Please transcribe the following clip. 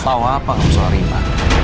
tau apa kau soal riba